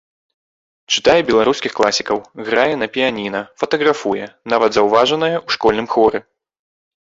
Чытае беларускіх класікаў, грае на піяніна, фатаграфуе, нават заўважаная ў школьным хоры.